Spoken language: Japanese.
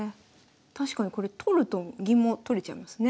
確かにこれ取ると銀も取れちゃいますね。